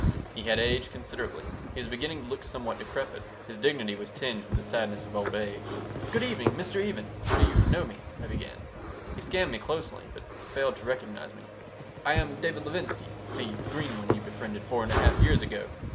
He had aged considerably. He was beginning to look somewhat decrepit. His dignity was tinged with the sadness of old age "Good evening, Mr. Even. Do you know me?" I began He scanned me closely, but failed to recognize me "I am David Levinsky, the 'green one' you befriended four and a half years ago.